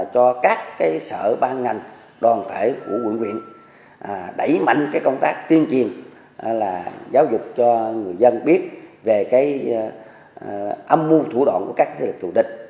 kế hoạch cho các sở ban ngành đoàn thể của quận viện đẩy mạnh công tác tiên triền là giáo dục cho người dân biết về âm mưu thủ đoạn của các thế lực thù địch